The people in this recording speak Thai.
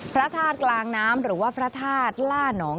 พระธาตุกลางน้ำหรือว่าพระธาตุล่านอง